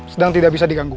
sedang tidak bisa diganggu